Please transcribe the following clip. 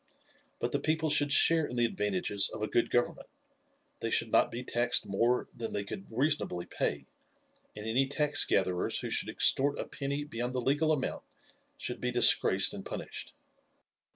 But the people should share in the advantages of a good government; they should not be taxed more than they could reasonably pay, and any tax gatherers who should extort a penny beyond the legal amount should be disgraced and punished.